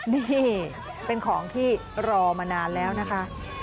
นี่เป็นของที่รอมานานแล้วนะคะ